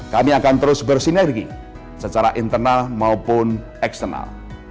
kami akan terus bersinergi secara internal maupun eksternal